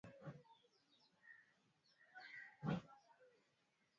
mfano Chacha Marwa Matiku Mbusiro Matinde na Mwabe Historia ya Urusi inahusu historia ya